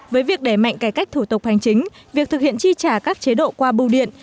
với việc đẩy mạnh cải cách thủ tục hành chính việc thực hiện chi trả các chế độ qua bưu điện